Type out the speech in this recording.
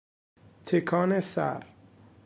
تکان سر